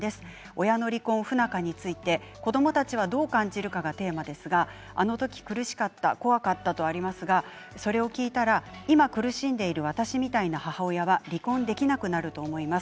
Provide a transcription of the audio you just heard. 親の離婚、不仲について子どもたちはどう感じるかがテーマですが、あの時苦しかった怖かったとありますがそれを聞いたら今、苦しんでいる私みたいな母親は離婚できなくなると思います。